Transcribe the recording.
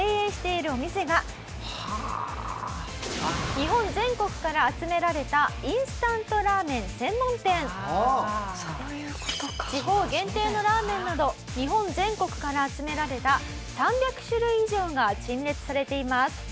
日本全国から集められた地方限定のラーメンなど日本全国から集められた３００種類以上が陳列されています。